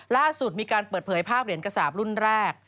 ล่าสุดมีการเปิดเผยภาพเหรียญกระสาปรุ่นแรก